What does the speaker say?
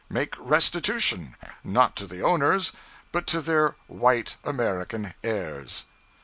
make restitution, not to the owners, but to their white American heirs.